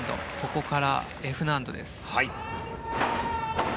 ここからＦ難度です。